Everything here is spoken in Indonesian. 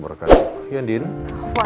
apa yang kamu inginkan